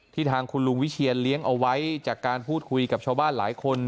ทางคุณลุงวิเชียนเลี้ยงเอาไว้จากการพูดคุยกับชาวบ้านหลายคน